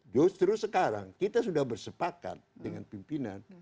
justru sekarang kita sudah bersepakat dengan pimpinan